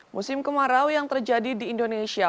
musim kemarau yang terjadi di indonesia